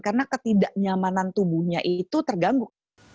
karena ketidaknyamanan tubuhnya itu terganggu